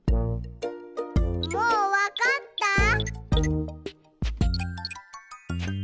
もうわかった？